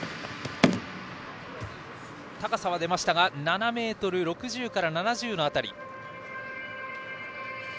高さは出ましたが７ｍ６０から７０の辺り。